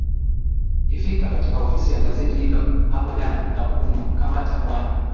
ifika katika ofisi ya gazeti hilo hapo jana nakumkamata bwana